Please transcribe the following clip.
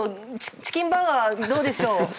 チキンバーガーどうでしょう？